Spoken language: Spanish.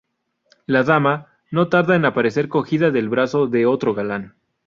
La "dama" no tarda en aparecer cogida del brazo de otro galán.